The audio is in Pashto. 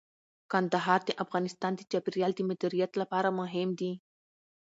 کندهار د افغانستان د چاپیریال د مدیریت لپاره مهم دي.